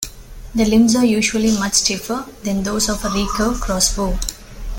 The limbs are usually much stiffer than those of a recurve crossbow.